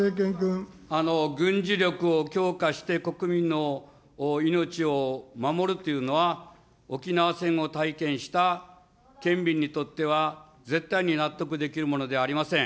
軍事力を強化して、国民の命を守るというのは、沖縄戦を体験した県民にとっては、絶対に納得できるものではありません。